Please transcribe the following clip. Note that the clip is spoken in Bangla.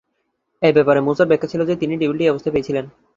এ ব্যাপারে মূসার ব্যাখ্যা ছিল যে তিনি টেবিলটি এ অবস্থায় পেয়েছিলেন।